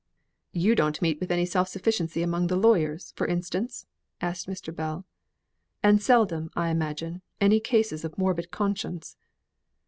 "You don't meet with any self sufficiency among the lawyers, for instance?" asked Mr. Bell. "And seldom, I imagine, any cases of morbid conscience."